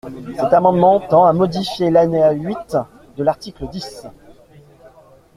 Cet amendement tend à modifier l’alinéa huit de l’article dix.